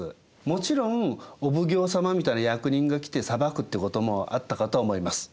もちろんお奉行様みたいな役人が来て裁くってこともあったかとは思います。